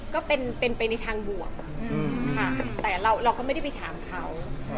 ก็เป็นไปในทางบวกค่ะแต่เราก็ไม่ได้ไปถามเขา